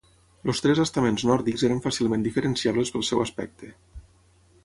Els tres estaments nòrdics eren fàcilment diferenciables pel seu aspecte.